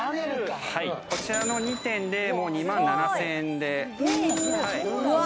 こちらの２点で２万７０００円で。